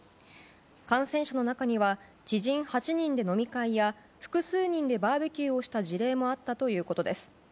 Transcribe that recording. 感染者の中には知人８人で飲み会や複数人でバーベキューをした事例もあったということです。